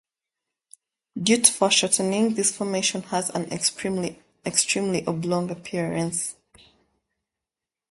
Due to foreshortening this formation has an extremely oblong appearance.